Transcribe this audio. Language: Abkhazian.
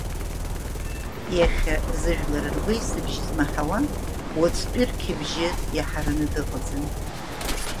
Иахьа зыжәлар ргәеисыбжь змаҳауа, уаҵәтәи рқьыбжьы иаҳараны дыҟаӡам.